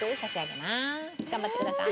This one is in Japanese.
頑張ってください。